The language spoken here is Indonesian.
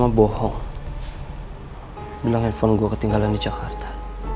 mama bohong bilang handphone gue ketinggalan di jakarta